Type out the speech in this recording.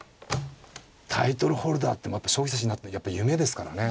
タイトルホルダーって将棋指しになってやっぱ夢ですからね。